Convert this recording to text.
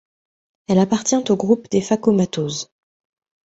Elle appartient au groupe des phacomatoses.